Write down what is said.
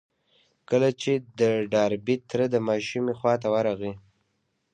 کله چې د ډاربي تره د ماشومې خواته ورغی.